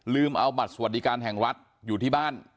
เอาบัตรสวัสดิการแห่งรัฐอยู่ที่บ้าน